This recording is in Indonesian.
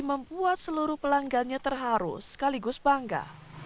membuat seluruh pelanggannya terharu sekaligus bangga